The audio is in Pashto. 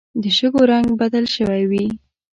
د شګو رنګ بدل شوی وي